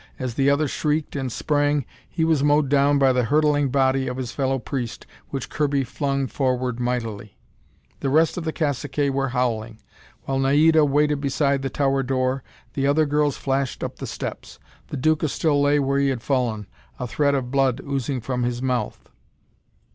As the other shrieked and sprang, he was mowed down by the hurtling body of his fellow priest which Kirby flung forward mightily. The rest of the caciques were howling. While Naida waited beside the tower door, the other girls flashed up the steps. The Duca still lay where he had fallen, a thread of blood oozing from his mouth.